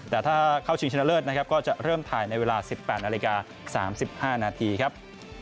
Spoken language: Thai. แต่ถ้าเข้าชิงชนะเลิศนะครับก็จะเริ่มถ่ายในเวลา๑๘นาฬิกา๓๕นาทีครับ